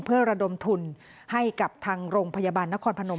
เพื่อระดมทุนให้กับทางโรงพยาบาลนครพนม